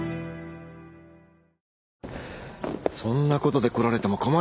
そんなことで来られても困りますよ。